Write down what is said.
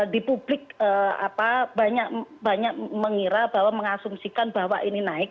di publik banyak mengira bahwa mengasumsikan bahwa ini naik